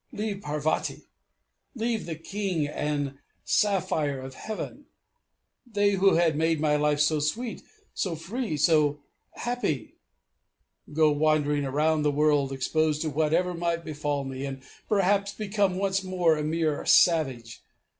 Leave Parvati! Leave the King and Saphire of Heaven! They who had made my life so sweet so free so happy! Go wandering about the world, exposed to whatever might befall me, and perhaps become once more a mere savage....